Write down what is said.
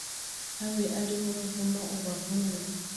ube ari wo muvumo ubavumye.